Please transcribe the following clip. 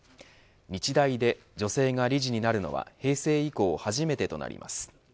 日大で女性が理事になるのは平成以降初めてとなります。